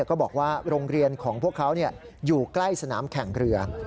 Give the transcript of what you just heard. ก็บอกว่าโรงเรียนของพวกเขาอยู่ใกล้สนามแข่งเรือ